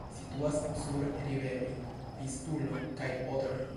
Ĝi situas sur riveroj Vistulo kaj Odro.